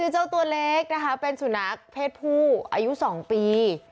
เจ้าตัวเล็กนะคะเป็นสุนัขเพศผู้อายุ๒ปี